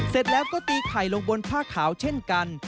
เสร็จแล้วก็ตีไข่ลงบนผ้าขาวเช่นกัน